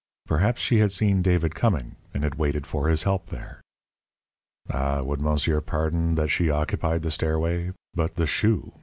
Perhaps she had seen David coming, and had waited for his help there. Ah, would monsieur pardon that she occupied the stairway, but the shoe!